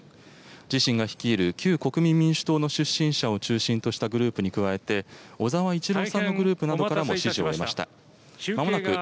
自身が率いる、旧国民民主党の出身者を中心としたグループに加えて、小沢一郎さんのグループなどからも支持を得ました。